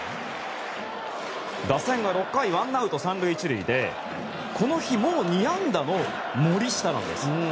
打線は６回ワンアウト３塁１塁でこの日、もう２安打の森下なんです。